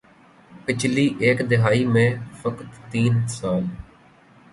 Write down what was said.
پچھلی ایک دہائی میں فقط تین سال